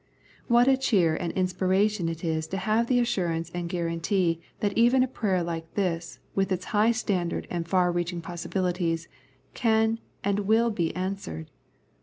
What a cheer and inspiration it is to have the assurance and guarantee that even a prayer like this, with its high standard and far reaching possibilities, can and will be answered.